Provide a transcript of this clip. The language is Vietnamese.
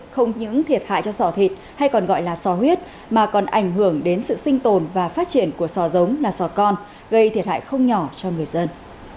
không những thiệt hại cho sỏ thịt hay còn gọi là sò huyết mà còn ảnh hưởng đến sự sinh tồn và phát triển của sò giống là sò con gây thiệt hại không nhỏ cho người dân